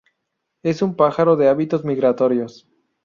Es un pájaro de hábitos migratorios.